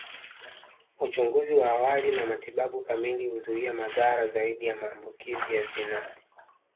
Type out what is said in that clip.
Uchunguzi wa awali na matibabu kamili huzuia madhara zaidi ya maambukizi ya zinaa